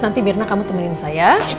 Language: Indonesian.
nanti mirna kamu temenin saya